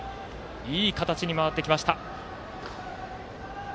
いい形に回ってきました。